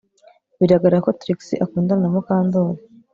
Biragaragara ko Trix akundana na Mukandoli